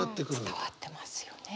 伝わってますよね。